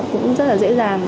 cũng rất là dễ dàng